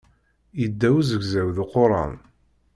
Yedda uzegzaw d uquran.